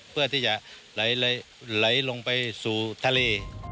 เพื่อที่จะไหลลงไปสู่ทะเล